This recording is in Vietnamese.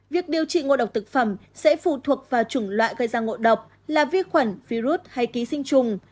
việc điều trị ngộ độc thực phẩm sẽ phụ thuộc vào chủng loại gây ra ngộ độc là vi khuẩn virus hay ký sinh trùng